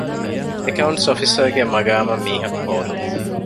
އެކައުންޓްސް އޮފިސަރގެ މަގާމަށް މީހަކު ހޯދުން